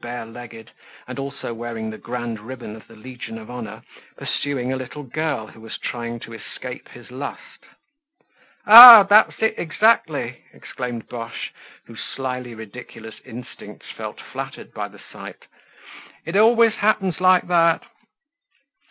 bare legged, and also wearing the grand ribbon of the Legion of Honor, pursuing a little girl who was trying to escape his lust. "Ah! that's it exactly!" exclaimed Boche, whose slyly ridiculous instincts felt flattered by the sight. "It always happens like that!"